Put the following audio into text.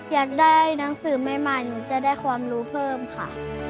อยากได้หนังสือใหม่หนูจะได้ความรู้เพิ่มค่ะ